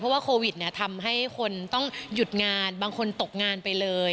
เพราะว่าโควิดทำให้คนต้องหยุดงานบางคนตกงานไปเลย